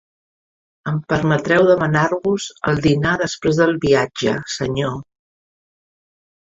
Em permetreu demanar-vos el dinar després del viatge, senyor.